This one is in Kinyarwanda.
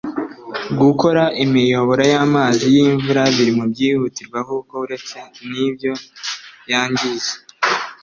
Gukora imiyoboro y’amazi y’imvura biri mu byihutirwa kuko uretse n’ibyo yangiza